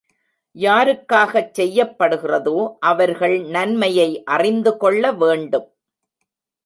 யாருக்காகச் செய்யப்படுகிறதோ அவர்கள் நன்மையை அறிந்துகொள்ள வேண்டும்.